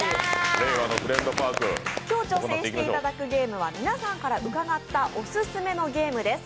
今日挑戦していただくゲームは、皆さんから伺ったオススメのゲームです。